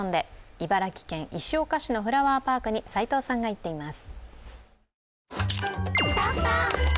茨城県石岡市のフラワーパークに齋藤さんが行っています。